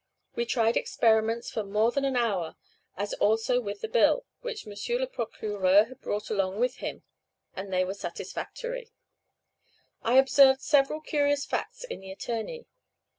We tried experiments for more than an hour, as also with the bill, which M. le Procureur had brought along with him, and they were satisfactory. I observed several curious facts in the attorney.